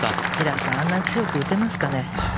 あんな強く打てますかね？